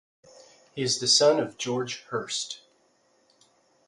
He is the son of George Hurst.